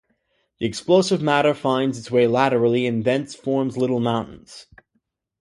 The explosive matter finds its way laterally, and thence forms little mountains.